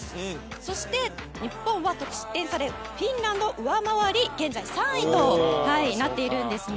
そして、日本は得失点差でフィンランドを上回り現在３位となっているんですね。